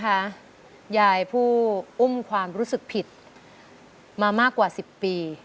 ยายผู้อุ้มความรู้สึกผิดมามากกว่า๑๐ปี